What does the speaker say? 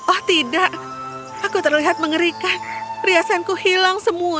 oh tidak aku terlihat mengerikan riasanku hilang semua